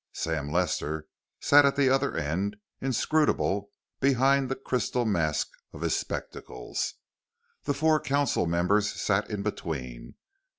Sam Lester sat at the other end, inscrutable behind the crystal mask of his spectacles. The four council members sat in between.